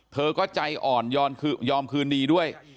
เธอก็ใจอ่อนยอมคืนดีด้วย